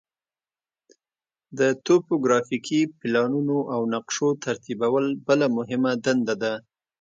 د توپوګرافیکي پلانونو او نقشو ترتیبول بله مهمه دنده ده